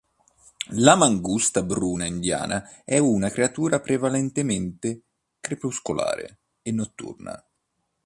La mangusta bruna indiana è una creatura prevalentemente crepuscolare e notturna.